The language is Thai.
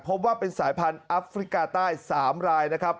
พบว่าเป็นสายพันธุ์อัฟริกาใต้๓รายนะครับ